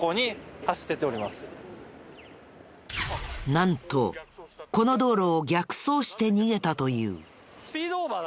なんとこの道路を逆走して逃げたという。